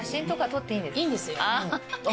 いいんですよ。